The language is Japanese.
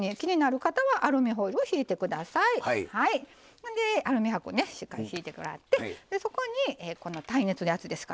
ほんでアルミ箔ねしっかりひいてもらってでそこにこの耐熱で熱いですからね。